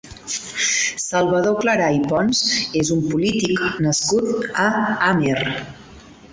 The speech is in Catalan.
Salvador Clarà i Pons és un polític nascut a Amer.